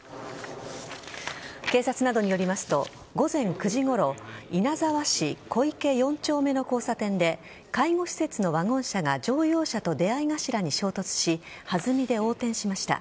警察などによりますと午前９時ごろ稲沢市小池４丁目の交差点で介護施設のワゴン車が乗用車と出合い頭に衝突し弾みで横転しました。